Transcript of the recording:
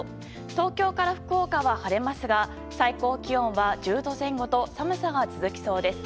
東京から福岡は晴れますが最高気温は１０度前後と寒さが続きそうです。